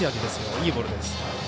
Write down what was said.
いいボールです。